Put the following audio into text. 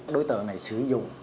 đối tượng này sử dụng